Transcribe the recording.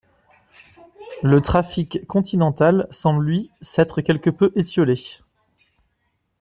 Le trafic continental semble lui s'être quelque peu étiolé.